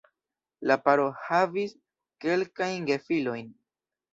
La paro havis kelkajn gefilojn.